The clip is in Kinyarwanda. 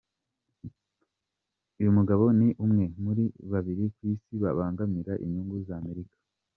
Uyu mugabo ni umwe muri babiri ku Isi babangamira inyungu za Amerika.